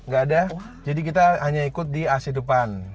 gak ada jadi kita hanya ikut di asia depan